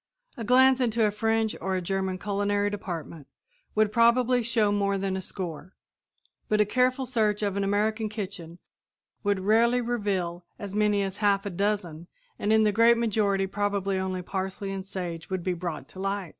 A glance into a French or a German culinary department would probably show more than a score; but a careful search in an American kitchen would rarely reveal as many as half a dozen, and in the great majority probably only parsley and sage would be brought to light.